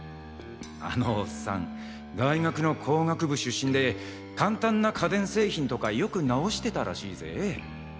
あのオッサン大学の工学部出身で簡単な家電製品とかよく直してたらしいぜ。